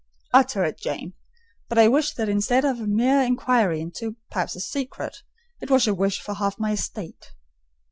"Utter it, Jane: but I wish that instead of a mere inquiry into, perhaps, a secret, it was a wish for half my estate."